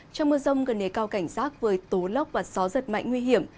trong mưa rông gần nề cao cảnh rác với tố lóc và gió giật mạnh nguy hiểm